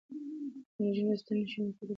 که نجونې راستنې شي نو کلی به نه وي تش.